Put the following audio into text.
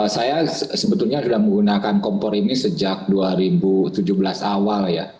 saya sebetulnya sudah menggunakan kompor ini sejak dua ribu tujuh belas awal ya